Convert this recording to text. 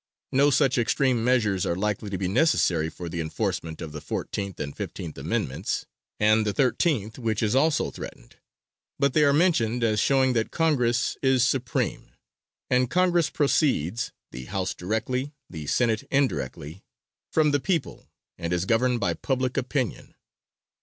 No such extreme measures are likely to be necessary for the enforcement of the Fourteenth and Fifteenth Amendments and the Thirteenth, which is also threatened but they are mentioned as showing that Congress is supreme; and Congress proceeds, the House directly, the Senate indirectly, from the people and is governed by public opinion.